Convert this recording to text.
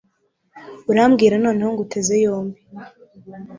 urambwira noneho nguteze yombi